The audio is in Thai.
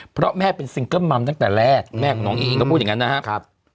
เพราะแม่เป็นซิงเกิ้ลมัมตั้งแต่แรกแม่ของน้องเองก็พูดอย่างนั้นนะครับ